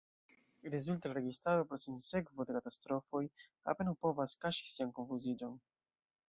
Rezulte la registaro, pro sinsekvo de katastrofoj, apenaŭ povas kaŝi sian konfuziĝon.